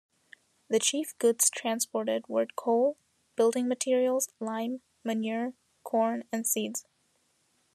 The chief goods transported were coal, building materials, lime, manure, corn and seeds.